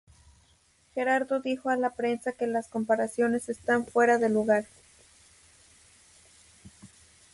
Gerardo dijo a la prensa que las comparaciones están fuera de lugar.